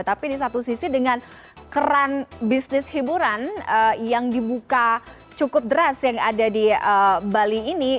tapi di satu sisi dengan keran bisnis hiburan yang dibuka cukup deras yang ada di bali ini